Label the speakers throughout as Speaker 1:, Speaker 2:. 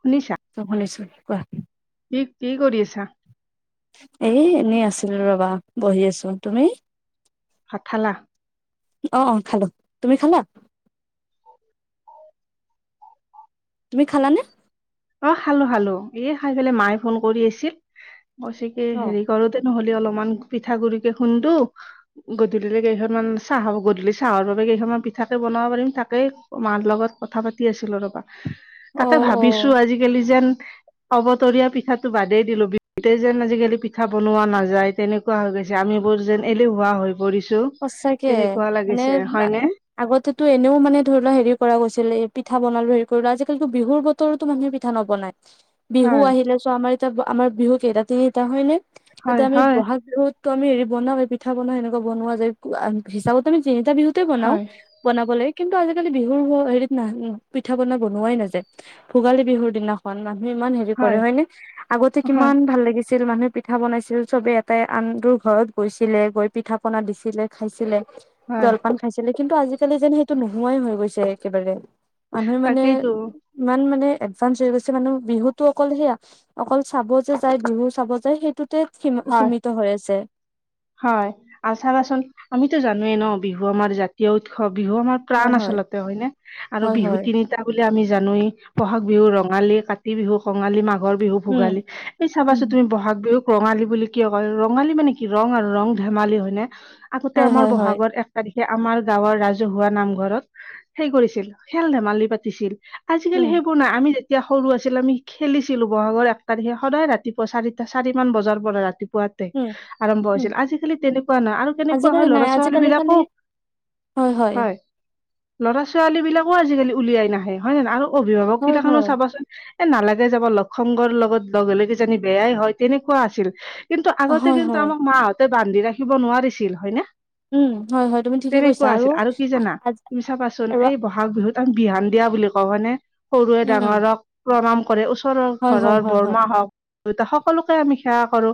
Speaker 1: শুনিছা
Speaker 2: অ শুনিছোঁ কোৱা।
Speaker 1: কি কি কৰি আছা?
Speaker 2: এ এনেই আছিলোঁ ৰবা বহি আছো, তুমি?
Speaker 1: ভাত খালা?
Speaker 2: অ অ খালো, তুমি খালা? তুমি খালা নে?
Speaker 1: অ খালো খালো এ খাই পেলাই মায়ে ফোন কৰি আছিল কৈছে কি হেৰি
Speaker 2: অ
Speaker 1: ঘৰতে নহলে অলপমান পিঠা-গুৰিকে খুন্দো গধূলি কেইখনমান চাহ গধূলি চাহৰ বাবে কেইখনমান পিঠাকে বনাব পাৰিম তাকেই মাৰহঁতৰ লগত কথা পাতি আছিলো ৰবা তাকে
Speaker 2: অ
Speaker 1: ভাবিছো আজিকালি যেন অবতৰীয়া পিঠাটো বাদেই দিলো বিহুতে যেন আজিকালি পিঠা বনোৱা নাযায় তেনে কোৱা হৈ গৈছে আমিবোৰ যেন এলেহুৱা হৈ পৰিছো তেনেকুৱা লাগিছে হয়নে
Speaker 2: আগতো এনেও মানে ধৰি লোৱা হেৰি কৰা গৈছিল এই পিঠা বনালো হেৰি কৰিলো আজিকালিতো বিহুৰ বতৰতো মানুহে পিঠা নবনায় [inaudible] বিহু
Speaker 1: হয়
Speaker 2: আহিলে চোৱা আমাৰ এতিয়া আমাৰ বিহু কেইটা তিনিটা হয়নে
Speaker 1: হয়
Speaker 2: এতিয়া আমি
Speaker 1: হয়
Speaker 2: ব'হাগ বিহুত ত আমি হেৰি বনাও পিঠা বনা এনেকোৱা বনোৱা যায় হিচাপত আমি তিনিটা বিহুতে বনাও
Speaker 1: হয়
Speaker 2: বনাব লাগে কিন্তু আজিকালি বিহুৰ হেৰিত ন পিঠা বনা বনোৱাই নাযায় ভোগালী বিহুৰ দিনাখন মানুহে ইমান হেৰি কৰে
Speaker 1: হয়
Speaker 2: হয়নে আগতে
Speaker 1: হয়
Speaker 2: কিমান ভাল লাগিছিল মানুহে পিঠা বনাইছিল, চবে এটাই আন টুৰ ঘৰত গৈছিলে, গৈ পিঠা-পনা দিছিলে খাইছিলে
Speaker 1: হয়
Speaker 2: জলপান খাইছিলে কিন্তু আজিকালি যেন সেইটো নোহোৱাই হৈ গৈছে একেবাৰে মানুহে মানে
Speaker 1: তাকেইতো
Speaker 2: ইমান মানে এডভান্স হৈ গৈছে মানুহ বিহুটো অকল সেয়া অকল চাব যে যায় বিহু চাব যায় সেইটোতে সিম
Speaker 1: হয়।
Speaker 2: সীমিত হৈ আছে
Speaker 1: হয় আৰু চাবাচোন আমিতো জানোৱেই ন বিহু আমাৰ জাতীয় উৎসৱ বিহু আমাৰ
Speaker 2: হয়
Speaker 1: প্ৰাণ
Speaker 2: হয়
Speaker 1: আচলতে হয়নে আৰু
Speaker 2: হয়
Speaker 1: বিহু
Speaker 2: হয়
Speaker 1: তিনিটা বুলি আমি জানোৱেই ব'হাগ বিহু ৰঙালী, কাতি বিহু কঙালী, মাঘৰ বিহু
Speaker 2: উম
Speaker 1: ভোগালী এই
Speaker 2: উম
Speaker 1: চাবাছো তুমি ব'হাগ বিহুক ৰঙালী বুলি কিয় কয় ৰঙালী মানে কি ৰং আৰু ৰং ধেমালি হয় নে আগতে
Speaker 2: হয়
Speaker 1: আমাৰ
Speaker 2: হয় হয়
Speaker 1: ব'হাগৰ এক তাৰিখে আমাৰ গাঁৱৰ ৰাজহুৱা নামঘৰত সেই কৰিছিল খেল-ধেমালি পাতিছিল আজিকালি
Speaker 2: উম
Speaker 1: সেইব নাই আমি তেতিয়া সৰু আছিলো আমি খেলিছিলো ব'হাগৰ এক তাৰিখে সদায় ৰাতিপুৱা চাৰিটা চাৰি মান বজাৰ পৰা ৰাতিপুৱাত তে
Speaker 2: উম
Speaker 1: আৰম্ভ
Speaker 2: উম
Speaker 1: হৈছিল আজিকালি তেনেকুৱা নাই আৰু কেনেকুৱা
Speaker 2: আজিকালি
Speaker 1: হয়
Speaker 2: নাই
Speaker 1: ল'ৰা-ছোৱালী
Speaker 2: আজিকালি খালি
Speaker 1: বিলাকও হয় ল'ৰা-ছোৱালী বিলাকও আজিকালি উলিয়াই নাহে হয় নহয় আৰু অভিভাৱক
Speaker 2: হয়
Speaker 1: গিলাখনতো
Speaker 2: হয়
Speaker 1: চাবাচোন এ নালাগে যাব লগ সংগৰ লগত লগ কেজনি বেয়াই হয় তেনেকুৱা আছিল কিন্তু আগতে
Speaker 2: হয় হয়
Speaker 1: আমাক মাহঁতে বান্ধি ৰাখিব নোৱাৰিছিল হয়নে?
Speaker 2: উম হয় হয় তুমি ঠিকে কৈছা
Speaker 1: তেনেকুৱা আছিল আৰু কি জানা
Speaker 2: আৰু
Speaker 1: তুমি চাবাচোন এই ব'হা গ বিহুত আমি বিহান দিয়া বুলি কওঁ হয়নে, সৰুৱে
Speaker 2: উম উম
Speaker 1: ডাঙৰক প্ৰণাম কৰে ওচৰৰ
Speaker 2: হয় হয়
Speaker 1: ঘৰৰ
Speaker 2: হয় হয়
Speaker 1: বৰমা হওঁক দেউতা সকলোকে আমি সেৱা কৰো,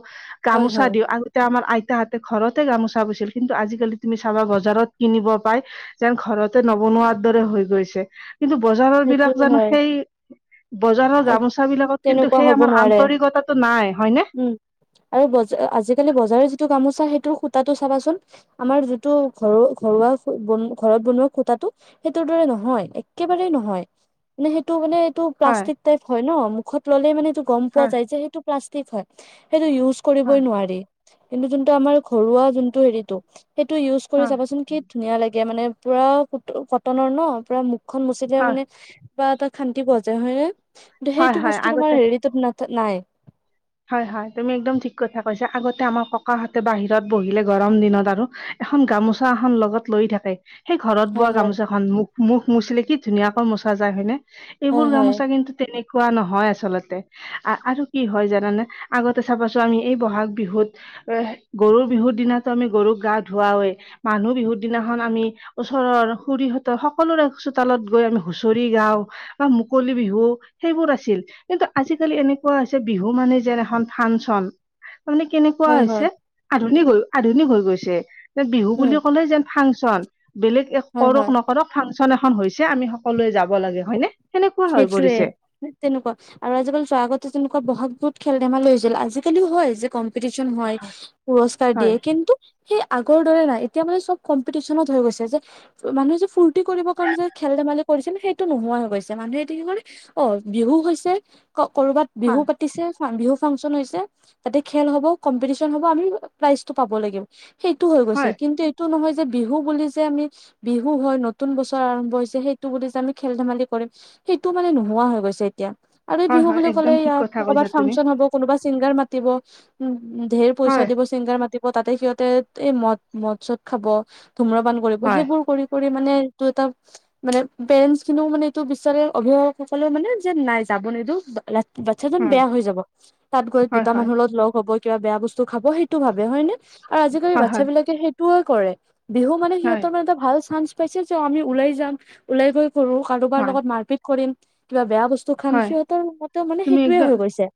Speaker 2: হয়
Speaker 1: গামোচা
Speaker 2: হয়
Speaker 1: দিওঁ আগতে আমাৰ আইতাহঁতে ঘৰতে গামোচা বৈছিল কিন্তু আজিকালি তুমি চাবা বজাৰত কিনিব পাই যেন ঘৰতে নবনোৱাৰ দৰে হৈ গৈছে কিন্তু বজাৰৰ বিলাক
Speaker 2: সেইটোয়ে
Speaker 1: জানো
Speaker 2: হয়
Speaker 1: সেই বজাৰৰ গামোচা বিলাকত কিন্তু
Speaker 2: তেনেকুৱা
Speaker 1: সেই
Speaker 2: হ'ব
Speaker 1: আমাৰ
Speaker 2: নোৱাৰে
Speaker 1: আন্তৰিকতাটো নাই হয়নে
Speaker 2: উম আৰু বজা আজিকালি বজাৰৰ যিটো গামোচা সেইটো সূতাটো চাবাচোন আমাৰ যিটো ঘৰু ঘৰুৱা ঘৰত বনোৱা সূতাটো সেইটোৰ দৰে নহয়, একেবাৰে ন হয় মে সেইটো মানে এইটো
Speaker 1: হয়
Speaker 2: প্লাষ্টিক টাইপ হয় ন মুখত ললে মানে গম
Speaker 1: হয়
Speaker 2: পোৱা যায় যে সেটোক প্লাষ্টিক হয় সেইটো ইউজ
Speaker 1: হয়
Speaker 2: কৰিবই নোৱাৰি কিন্তু যোনটো আমাৰ ঘৰুৱা যোনটো হেৰিটো সেইটো ইউজ কৰি
Speaker 1: হয়
Speaker 2: চাবাচোন কি ধুনীয়া লাগে মানে পুৰা ক কটনৰ ন পুৰা মুখখন মুচিলে
Speaker 1: হয়
Speaker 2: মানে কিবা এটা শান্তি পোৱা যায় হয়নে কিন্তু
Speaker 1: হয়
Speaker 2: সেইটো
Speaker 1: হয়
Speaker 2: বস্তু
Speaker 1: আগতে
Speaker 2: তোমাৰ ৰিটত না নাই
Speaker 1: হয় হয় তুমি একদম ঠিক কথা কৈছা আগতে আমাৰ ককাহঁতে বাহিৰত বহিলে গৰম দিনত আৰু এখন গামোচা এখন লগত লৈ থাকে সেই ঘৰত
Speaker 2: হয়
Speaker 1: বোৱা
Speaker 2: হয়
Speaker 1: গামোচাখন মুখ মুখ মচিলে কি ধুনীয়াকৈ মোচা যায় হয়নে
Speaker 2: হয়
Speaker 1: এইবোৰ
Speaker 2: হয়
Speaker 1: গামোচা কিন্তু তেনেকুৱা নহয় আচলতে আৰু কি হয় জান [unintelligible] [unintelligible] মানে আগতে চাবাছো আমি এই ব'হাগ বিহুত এ গৰু বিহুৰ দিনা আমি গৰুক গা ধুৱাওৱেই, মানুহ বিহুৰ দিনাখন আমি [unintelligible] ওচৰৰ খুৰীহঁতৰ সকলোৰে চোতালত গৈ আমি হুঁচৰি গাও। [unintelligible] বা মুকলি বিহু সেইবোৰ আছিল কিন্তু আজিকালি এনেকুৱা হৈছে বিহু [unintelligible] বিহু মানে যেন এখন ফাংচন তাৰমানে কেনেকুৱা
Speaker 2: হয় হয়
Speaker 1: হৈছে [unintelligible] আধুনিক হৈ আধুনিক হৈ গৈছে যে বিহু
Speaker 2: উম,
Speaker 1: বুলি ক'লে যেন ফাংচন। বেলেগ একো [unintelligible]
Speaker 2: হয়
Speaker 1: কৰক
Speaker 2: হয়।
Speaker 1: নকৰক ফাংচন এখন হৈছে আমি সকলোৱে যাব লাগে হয় নে? [unintelligible]
Speaker 2: সেইটোৱে [inaudible] তেনেকুৱা আৰু আজিকালি চোৱা আগতে তেনেকুৱা ব'হাগ বিহুত খেল-ধেমালি হৈছিল আজিকালি হয় যে কম [unintelligible] কম্পিটিচন হয়, পুৰস্কাৰ দিয়ে কিন্তু [unintelligible] সেই আগৰ দৰে নাই এতিয়া মানে চব কম্পিটিচনত হৈ গৈছে যে [unintelligible] মানুহে যে ফুৰ্তি কৰিব কাৰণে যে খেল-ধেমালি কৰিছিল সেইটো নোহোৱা হৈ গৈছে। [inaudible] মানুহেটো কি কৰে অ বিহু হৈছে, কৰবাত বিহু
Speaker 1: হয়
Speaker 2: পাতিছে। [inaudible] [unintelligible] বিহু ফাংচন হৈছে, তাতে খেল হব, কম্পিটিচন হব আমি প্ৰাইচটো পাব লাগে। [unintelligible] সেইটো হৈ গৈছে
Speaker 1: হয়
Speaker 2: কিন্তু [unintelligible] এইটো নহয় যে বিহু বুলি যে আমি বিহু হয় নতুন বছৰ আৰম্ভ হৈছে সেইটো বুলি যে আমি খেল-ধেমালি [unintelligible] [unintelligible] সেইটো মানে ন এতিয়া। আৰু
Speaker 1: হয়
Speaker 2: বিহু
Speaker 1: হয়
Speaker 2: বুলি
Speaker 1: একদম
Speaker 2: কলে
Speaker 1: ঠিক
Speaker 2: ইয়াত
Speaker 1: কথা
Speaker 2: ক'ৰবাত
Speaker 1: কৈছা তুমি
Speaker 2: ফাংন হব কোনোবা চিংগাৰ মাতিব, উম ধেৰ পইচা
Speaker 1: হয়
Speaker 2: দিব [unintelligible] চিংগাৰ মাতিব, তাতে সিহঁতে এই মদ-মদ চদ খাব, ধুম্ৰপান কৰিব,
Speaker 1: হয়
Speaker 2: সেইবোৰ কৰি [unintelligible] কৰি মানে এইটো এটা মানে পেৰেঞ্চখিনিও মানে [unintelligible] টো বিচাৰে অভিভাৱকসকলেও মানে যে নাই যাব নিদিও ৰা [unintelligible] বাচ্ছাজন
Speaker 1: উম
Speaker 2: বেয়া হৈ যাব। তাত গৈ
Speaker 1: হয়
Speaker 2: দুটা
Speaker 1: হয়
Speaker 2: মানুহৰ লগত লগ হব, কিবা বেয়া বস্তু খাব সেইটো ভাবে হয় নে? [unintelligible] আৰু আজিকালি
Speaker 1: হয় হয়
Speaker 2: বাচ্ছাবিলাকে সেইটোৱেই কৰে। বিহু মানে
Speaker 1: হয়
Speaker 2: সিহঁতৰ মানে এটা ভাল চানস [unintelligible] [unintelligible] পাইছোঁ যে আমি ওলাই যাম, ওলাই গৈ কৰো কাৰোবাৰ
Speaker 1: হয়
Speaker 2: লগত মাৰপিট কৰিম, কিবা বেয়া বস্তু খাম,
Speaker 1: হয়
Speaker 2: সিহঁতৰ মতে মানে সেইটোৱেই হৈ গৈছে। [inaudible]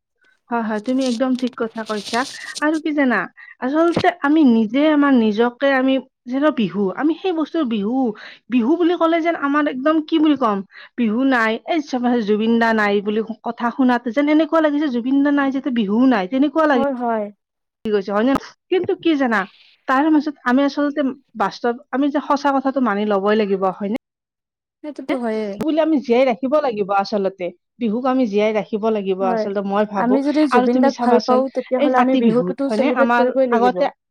Speaker 1: হয়-হয়। তুমি একদম ঠিক কথা কৈছা আৰু কি জানা? [unintelligible] আচলতে আমি নিজে আমাৰ নিজকে আমি যেনে বিহু আমি সেই বস্তুৰ বিহু [unintelligible] বিহু বুলি ক'লে যেন আমাৰ একদম কি বুলি ক'ম [unintelligible] বিহু নাই, এই চাবা যে জুবিন দা নাই বুলি কথা শুনাতো যেন এনেকুৱা লাগিছে জু [unintelligible] জুবিন দা নাই যেতিয়া বিহুও নাই তেনেকুৱা [inaudible]
Speaker 2: হয় হয়। [unintelligible]
Speaker 1: কি [unintelligible] হয় ন কিন্তু কি জানা? তাৰ মাজত আমি আচলতে বাস্তৱ আমি যে সঁচা কথাটো মানি ল'বই লাগিব হয় নে? [unintelligible]
Speaker 2: সেইটোতো হয়েই।
Speaker 1: [unintelligible] বুলি আমি জীয়াই ৰাখিব লাগিব আচলতে বিহুক আমি জীয়াই ৰাখি থাকিব লাগিব
Speaker 2: হয়
Speaker 1: আচলতে মই
Speaker 2: আমি
Speaker 1: ভাবোঁ
Speaker 2: যদি
Speaker 1: আৰু
Speaker 2: জুবিন
Speaker 1: তুমি
Speaker 2: দাক ভাল
Speaker 1: চাবা চোন
Speaker 2: পাওঁ
Speaker 1: এই কাতি বিহুত হয়নে আমাৰ আগত [unintelligible]
Speaker 2: হ [unintelligible]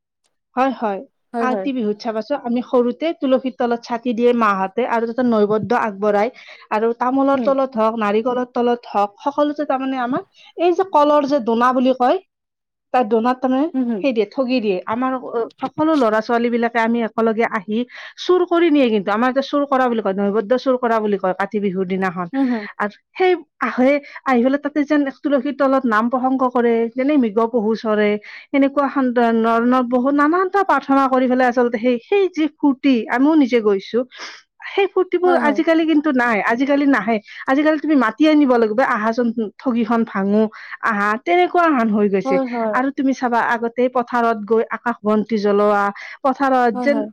Speaker 1: হয়-হয়। কাতি বিহুত [inaudible] চাবছো আমি সৰুতে তুলসীৰ তলত চাকি দিয়ে মাহঁতে আৰু তাতে নৈবদ্য আগবঢ়াই [unintelligible] আৰু তামোলৰ
Speaker 2: উম
Speaker 1: তলত [unintelligible] হওঁক, নাৰিকলৰ তলত হওঁক, সকলোতে তাৰমানে আমাৰ এই যে কলৰ যে দোনা বুলি কয় [unintelligible] তাত দোনাত তাৰমানে
Speaker 2: উম হুম
Speaker 1: সেই দিয়ে ঠগি দিয়ে। আমাৰ সকলো ল'ৰা-ছোৱালী বিলাকে আমি [unintelligible] [unintelligible] লগে আহি চুৰ কৰি নিয়ে কিন্তু আমাৰ এতিয়া চুৰ কৰা বুলি কয় নৈবদ্য চুৰ কৰা বুলি কয় কাতি বিহুত। দিনাখন
Speaker 2: উম হুম
Speaker 1: আৰু সেই [inaudible] আহে আহি পেলাই তাতে যেন এক তুলসীৰ তলত নাম প্ৰসংগ কৰে। যেনে মৃগ পহু চৰে [unintelligible] সেনেকুৱা এখন ধৰণৰ বহুত নানানটা প্ৰাৰ্থনা কৰি পেলাই আচলতে সেই সেই যি সূ ফুৰ্তি আমিও নিজে গৈছো সেই ফূুৰ্তিবোৰ
Speaker 2: হয় হয়
Speaker 1: আজিকালি কিন্তু নাই, আজিকালি নাহে। আজিকালি তুমি মাতি আনিব লাগিব আহাচোন ঠগিখন ভাঙো আহা তেনেকুৱা আহান হৈ গৈছে
Speaker 2: হয় হয়
Speaker 1: আৰু তুমি চাবা আগতে পথাৰত গৈ আকাশ বন্তি জ্বলোৱা পথাৰত
Speaker 2: হয়
Speaker 1: যেন
Speaker 2: হয়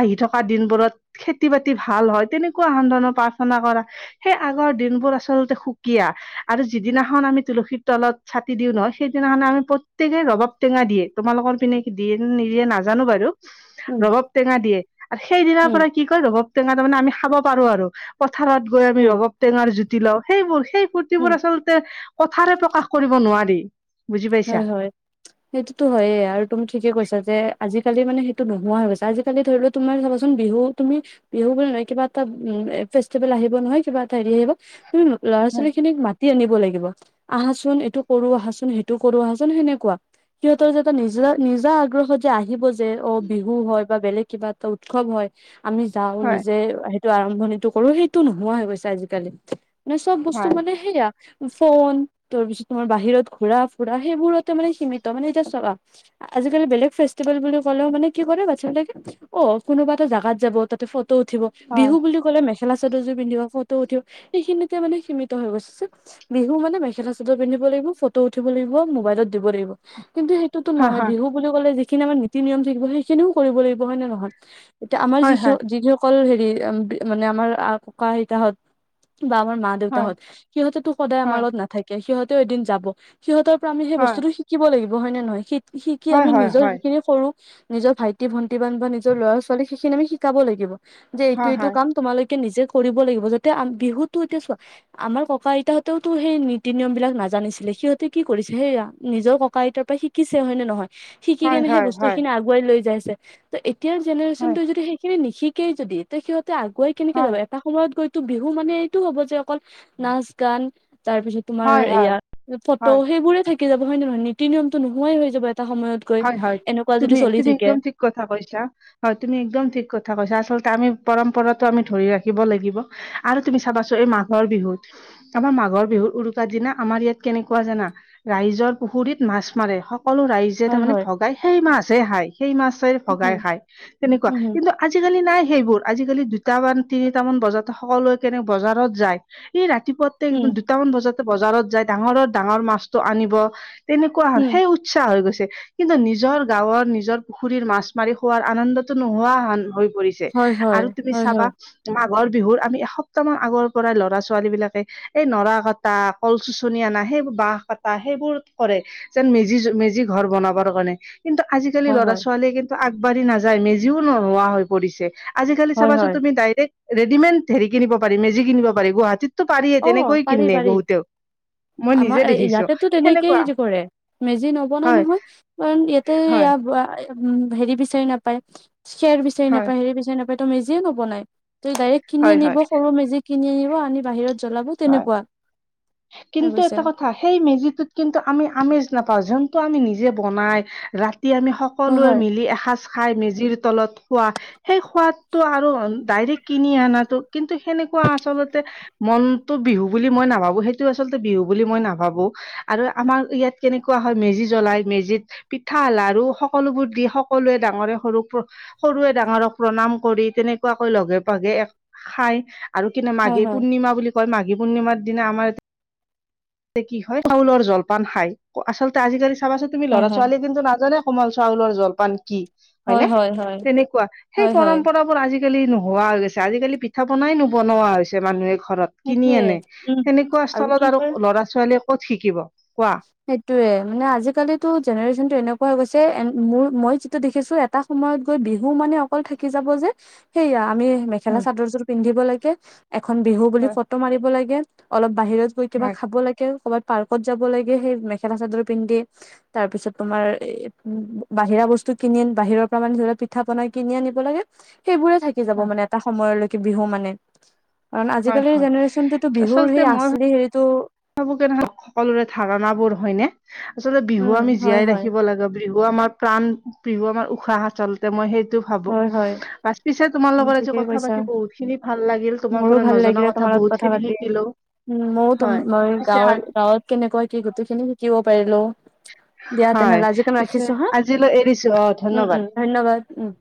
Speaker 1: আহি থকা দিনবোৰত খেতি বাতিৰ ভাল হয় তেনেকুৱা আনদনৰ প্ৰাৰ্থনা কৰা সেই আগৰ দিনবোৰ আচলতে সুকীয়া, আৰু যিদিনাখন আমি তুলসীৰ তলত ছাকি দিও নহয় সেইদিনাখনট আমি প্ৰত্যেকে ৰবাব টেঙা দিয়ে তোমালোকৰ পিনে দিয়ে নিদিয়ে নাজানো বাৰু।
Speaker 2: উম
Speaker 1: ৰবাব টেঙা দিয়ে আৰু সেইদিনাৰ
Speaker 2: উম
Speaker 1: পৰা কি কয় বৰাব টেঙা তাৰমানে আমি খাব পাৰো আৰু, পথাৰত গৈ আমি
Speaker 2: উম
Speaker 1: ৰবাৱ টেঙাৰ জুতি লওঁ সেইবোৰ সেই
Speaker 2: উম
Speaker 1: ফূৰ্তিবোৰ আচলতে কথাৰে প্ৰকাশ কৰিব নোৱাৰি। বুজি পাইছা
Speaker 2: হয় হয়। সেইটোতো হয়ে, আৰু তুমি ঠিকে কৈছা যে আজিকালি মানে সেইটো নোহোৱা হৈ গৈছে আজিকালি ধৰি লও তোমাৰ চাবাচোন বিহু তুমি বিহু বুলি নহয় কিবা এটা উম ফেষ্টিভেল আহিব নহয় কিবা এটা হেৰি আহিব তুমি ল'ৰা
Speaker 1: হয়
Speaker 2: ছোৱালী খিনিক মাতি আনিব লাগিব আহাচোন এইটো কৰো আহাচোন সেইটো কৰো আহাচোন সেনেকুৱা, সিহঁতৰ যে এটা নিজা নিজা আগ্ৰহত যে আহিব যে অ বিহু হয় বা বেলেগ কিবা এটা উৎসৱ হয় আমি যাও
Speaker 1: হয়
Speaker 2: নিজে টো আৰম্ভণিটো কৰো সেইটো নোহোৱা হৈ গৈছে আজিকালি, মানে চব বস্তু
Speaker 1: হয়
Speaker 2: মানে সেইয়া ফোন তাৰপিছত তোমাৰ বাহিৰত ঘোৰা ফুৰা সেইবোৰতে মানে সীমিত মানে এতিয়া চাবা আজিকালি বেলেগ ফেষ্টিভেল বুলি ক'লেও মানে কি কৰে বাচ্ছাি বিলাকে অ কোনোবা এটা জাগাত যাব তাতে ফটো উঠিব, বিহু
Speaker 1: হয়
Speaker 2: বুলি ক কলে মেখা চাদৰযোৰ পিন্ধিব ফটো উঠিব স এইখিনিতে মানে সীমিত হৈ গৈছে। বিহু মানে মেখেল চাদৰ পিন্ধিব লাগিব ফটো উঠ দিব লাগিব মুবাইলত দিব লাগিব, কিন্তু সেইটো নহয়
Speaker 1: হয়
Speaker 2: বিহু বুলি ক'লে যিখিনি আমাৰ নীতি নিয়ম থাকিব সেইখিনিও কৰিব লাগিব, হয় নে নহয়? এতিয়া আমাৰ যি
Speaker 1: হয়
Speaker 2: সক যি হওক অকল হেৰি মানে আমাৰ ককা-আইতাহত বা আমাৰ মা
Speaker 1: হয়
Speaker 2: দেউতাহত, সিহঁতেটো সদায় আমাৰ
Speaker 1: হয়
Speaker 2: লগত নাথাকে সিহঁতেও এদিন যাব, সিহঁতৰ পৰা আমি সেই
Speaker 1: হয়
Speaker 2: বস্তুটো শিক শিকিব লাগিব হয় নে নহয়? শি-শিকি
Speaker 1: হয়
Speaker 2: আমি নিজৰ
Speaker 1: হয়
Speaker 2: যিখিনি সৰু নিজৰ ভাইটি ভন্টি বান্ধ বা নিজৰ ল'ৰা ছোৱালী সেইখিনি আমি শিকাব লাগিব, যে এইটো
Speaker 1: হয়
Speaker 2: এইটো
Speaker 1: হয়
Speaker 2: কাম তোমালৈ নিজে কৰিব লাগিব যাতে আম বিহুতো এতিয়া চোৱা আমাৰ ককা, আইতা হঁতেওতো সেই নীতি নিয়ম বিলাক নাজানিছিলে সিহঁতে কি কৰিছে সেইয়া নিজৰ ককা, আইতাৰ পৰা শিকিছে, হয় নে নহয়? শিকি
Speaker 1: হয়
Speaker 2: কেনে সেই
Speaker 1: হয়
Speaker 2: বস্তু
Speaker 1: হয়
Speaker 2: খিনি আগ আগুৱাই লৈ যাইছে, ত এতিয়াৰ
Speaker 1: হয়
Speaker 2: জেনেৰেশ্যনটোৱে যদি সেইখিনি নিশিকেই যদি ত সিহতে আগুৱাই কেনেকে
Speaker 1: হয়
Speaker 2: যাব, এটা সময়ত গৈতো বিহু মানে এইটো হ'ব যে অকল নাচ, গান তাৰপিছত তোমাৰ
Speaker 1: হয় হয় হয় হয় হয়
Speaker 2: এয়া ফটো
Speaker 1: হয়
Speaker 2: সেইবোৰে থাকি যাব, হয় নে নহয়? নীতি নিয়মতো নোহোৱাই হৈ যাব এটা সময়ত। গৈ
Speaker 1: হয় হয়
Speaker 2: এনেকুৱা যদি
Speaker 1: তুমি
Speaker 2: চলি
Speaker 1: তুমি
Speaker 2: থাকে।
Speaker 1: একদম ঠিক কথা কৈছা। হয়, তুমি একদম ঠিক কথা কৈছা, আচলতে আমি পৰম্পৰাটো আমি ধৰি ৰাখিব লাগিব। আৰু তুমি চাবাচো এই মাঘৰ বিহুত, আমাৰ মাঘৰ বিহুৰ উৰুকাৰ দিনা আমাৰ ইয়াত কেনেকুৱা জানা? ৰাইজৰ পুখুৰীত মাছ মাৰে সকলো ৰাইজ
Speaker 2: হয়
Speaker 1: তাৰমানে
Speaker 2: হয়
Speaker 1: ভগাই সেই মাছ হে খায় সেই মাছে ভগাই
Speaker 2: উম
Speaker 1: খায় তেনেকুৱা
Speaker 2: উম
Speaker 1: কিন্তু আজিকালি নাই সেইবোৰ আজিকালি দুটা মান, তিনিটামান বজাতে সকলোৱে কেনে বজাৰত যায় এই ৰাতিপুৱা তে
Speaker 2: উম
Speaker 1: দুটামান বজাতে বজাৰত যায় ডাঙৰৰ, ডাঙৰ মাছটো আনিব তেনেকুৱা হয়,
Speaker 2: উম
Speaker 1: সেই উৎসাহ হৈ গৈছে। কিন্তু নিজৰ গাঁৱৰ, নিজৰ পুখুৰীৰ মাছ মাৰি খোৱাৰ আনন্দতো নোহোৱা হন হৈ পৰি ছে,
Speaker 2: হয় হয়
Speaker 1: আৰু তুমি
Speaker 2: হয়
Speaker 1: চাবা
Speaker 2: হয়
Speaker 1: মাঘৰ বিহুৰ আমি এসপ্তাহ মান আগৰ পৰাই ল'ৰা ছোৱালীবিলাকে এই নৰা কটা কল চুচনি আনা সেইবো বাহ কটা সেইবোৰ কৰে, যেন মেজি মেজি ঘৰ বনাব [unintelligible] কিন্তু আজিকালি
Speaker 2: হয়
Speaker 1: ল'ৰা
Speaker 2: হয়
Speaker 1: ছোৱালীয়ে কিন্তু আগবাঢ়ি নাযায়, মেজিও নোহোৱা হৈ পৰিছে। আজিকালি
Speaker 2: হয়
Speaker 1: চাবাচোন
Speaker 2: হয়
Speaker 1: তুমি ডাইৰেক্ট ৰেডিমেড হেৰি কিনিব পাৰি মেজি কিনিব পাৰি, গুৱাহাটিত তো পাৰিয়ে,
Speaker 2: অ
Speaker 1: তেনেকৈ
Speaker 2: পাৰি
Speaker 1: কিনে
Speaker 2: পাৰি
Speaker 1: বহুতেও। মই
Speaker 2: আমাৰ
Speaker 1: নিজে দেখিছো
Speaker 2: ইয়াতেতো তেনেকেই
Speaker 1: সেনেকুৱা
Speaker 2: হেৰি কৰে, মেজি নবনাই
Speaker 1: হয়
Speaker 2: নহয়। কাৰণ ইয়াতে
Speaker 1: হয়
Speaker 2: ইয়া বা হেৰি বিচাৰি নাপায়, খেৰ বিচাৰি
Speaker 1: হয়
Speaker 2: নাপায়, হেৰি বিচাৰি নাপায় ত' মেজিয়ে নবনায়, ত' ডাইৰেক্ট কিনি
Speaker 1: হয়
Speaker 2: আনিব,
Speaker 1: হয়
Speaker 2: সৰু মেজি কিনি আনিব, আনি বাহিৰত জলাব
Speaker 1: হয়
Speaker 2: তেনেকুৱা।
Speaker 1: কিন্তু এটা
Speaker 2: [unintelligible]
Speaker 1: কথা সেই মেজিটোত কিন্তু আমি আমেজ নাপাওঁ, যোনটো আমি নিজে বনাই ৰাত তি আমি
Speaker 2: হয়
Speaker 1: সকলোৱে মিলি এসাঁজ খাই মেজিৰ তলত খোৱা, সেই খোৱাদটো আৰু ডাইৰেক্ট কিনি আনাটো কিন্তু সেনেকুৱা আচলতে মন টো বিহু বুলি মই নাভাবোঁ, সেইটো আচলতে বিহু বুলি মই নাভাবোঁ। আৰু আমাৰ ইয়াত কেনেকুৱা হয় মেজি জ্বলাই, মেজিত পিঠা, লাৰু সকলোবোৰ দি সকলোৱে ডাঙৰে সৰু সৰুৱে ডাঙৰক প্ৰণাম কৰি তেনেকুৱাকৈ লগে ভাগে খাই আৰু কিনে
Speaker 2: হয় হয়
Speaker 1: মাঘীৰ
Speaker 2: হয়
Speaker 1: পূৰ্ণিমা বুলি কয়, মাঘী পূৰ্ণিমাৰ দিনা আমাৰ কি হয় চাউলৰ জলপান খাই, আচলতে আজিকালি চাবাচো তুমি
Speaker 2: হয়
Speaker 1: ল'ৰা ছোৱালী কিন্তু নাজানে কোমল চাউলৰ জলপান কি
Speaker 2: হয়
Speaker 1: হয়নে?
Speaker 2: হয় হয় হয়
Speaker 1: তেনেকুৱা, সেই
Speaker 2: হয় হয়
Speaker 1: পৰম্পৰা বোৰ আজিকালি নোহোৱা হৈ গৈছে, আজিকালি পিঠা বনাই নবনোৱা হৈছে মানুহে ঘৰত। কিনি
Speaker 2: সেইটোয়ে
Speaker 1: আনে,
Speaker 2: উম
Speaker 1: সেনেকুৱা
Speaker 2: কি
Speaker 1: স্থলত আৰু
Speaker 2: কৰে
Speaker 1: ল'ৰা ছোৱালীয়ে ক'ত শিকিব কোৱা।
Speaker 2: সেইটোয়ে, মানে আজিকালিতো জেনেৰেচনটো এনেকুৱা হৈ গৈছে এ, মোৰ মই যিটো দেখিছোঁ এ টা সময়ত গৈ বিহু মানে অকল থাকি যাব যে সেইয়া আমি মেখেলা
Speaker 1: হয়
Speaker 2: চাদৰজোৰ পিন্ধিব লাগে, এখন বিহু বুলি
Speaker 1: হয়
Speaker 2: ফটো মাৰিব লাগে, অলপ বাহিৰত গৈ কিবা
Speaker 1: হয়
Speaker 2: খাব লাগে, ক'ৰবাত পাৰ্কত যাব লাগে সেই মেখেলা চাদৰ পিন্ধি। তাৰপিছত তোমাৰ এ, বাহিৰা বস্তু কিনি আন বাহিৰৰ পৰা মানে ধৰি লও পিঠা বনাই কিনি আনিব লাগে। সেইবোৰে থাকি যাব,
Speaker 1: হয়
Speaker 2: মানে এটা সময়লৈকে বিহু মানে। কাৰণ
Speaker 1: হয়
Speaker 2: আজিকালিৰ
Speaker 1: হয়
Speaker 2: জেনেৰেশ্যনটোতো বিহুৰ
Speaker 1: আচলতে
Speaker 2: সেই
Speaker 1: মই
Speaker 2: আচলি হেৰিটো
Speaker 1: [unintelligible] সকলোৰে ধাৰণাবোৰ হয়নে? আচলতে বিহু
Speaker 2: উম
Speaker 1: আমি
Speaker 2: হয়
Speaker 1: জীয়াই
Speaker 2: হয়
Speaker 1: ৰাখিব লাগে। বিহু আমাৰ প্ৰাণ, বিহু আমাৰ উশাহচল। তে মই সেইটো ভাবোঁ।
Speaker 2: হয় হয়
Speaker 1: পাচ পিছে তোমাৰ
Speaker 2: তুমি
Speaker 1: লগত আজি
Speaker 2: ঠিকেই
Speaker 1: কথা
Speaker 2: কৈছা
Speaker 1: পাতি বহুতখিনি ভাল লাগিল। তোমাৰ
Speaker 2: মোৰো
Speaker 1: পৰা
Speaker 2: ভাল লাগিলে
Speaker 1: নজনা
Speaker 2: তোমাৰ
Speaker 1: কথা
Speaker 2: লগত
Speaker 1: বহুতখিনি
Speaker 2: পাতি
Speaker 1: শিকিলো।
Speaker 2: উম, মইও,
Speaker 1: হয়
Speaker 2: মই
Speaker 1: পিছে আ-
Speaker 2: গাঁৱৰ গাঁৱত কেনেকুৱা কি গোটেইখিনি শিকিব পাৰিলো। দিয়া
Speaker 1: হয়
Speaker 2: তেনেহ'লে আজি কাম
Speaker 1: পিছে
Speaker 2: ৰাখিছোঁ হা,
Speaker 1: আজিলৈ এৰিছো অ
Speaker 2: উম,
Speaker 1: ধন্যবাদ
Speaker 2: উম, ধন্যবাদ, উম।